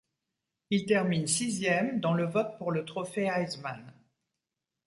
Il termine sixième dans le vote pour le Trophée Heisman.